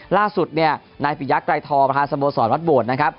ล่าสุดนายผิดยักษ์ไกลทอประธานสมสรรค์วัดบวช